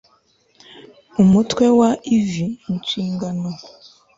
UMUTWE WA IV INSHINGANO